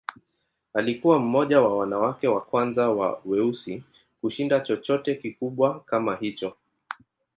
Alikuwa mmoja wa wanawake wa kwanza wa weusi kushinda chochote kikubwa kama hicho.